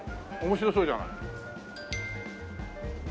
面白そうじゃない。